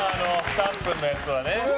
３分のやつは。